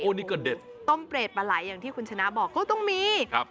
นี่ก็เด็ดต้มเปรตปลาไหลอย่างที่คุณชนะบอกก็ต้องมีครับ